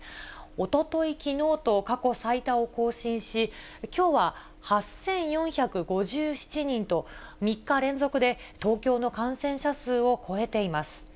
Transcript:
おととい、きのうと過去最多を更新し、きょうは８４５７人と、３日連続で東京の感染者数を超えています。